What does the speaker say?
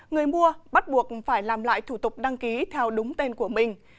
người mua bắt buộc phải làm lại thủ tục đăng ký theo đúng tên của mình